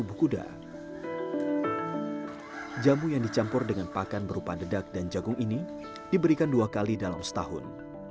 populasi kuda sandalwood dan trotbird di pulau sumba pada tahun dua ribu tujuh belas